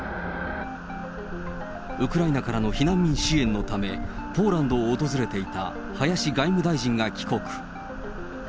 ウクライナからの避難民支援のため、ポーランドを訪れていた林外務大臣が帰国。